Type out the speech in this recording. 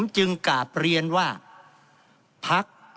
ผมจึงกาบเรียนว่าพักเล็กพักน้อยจะหายไป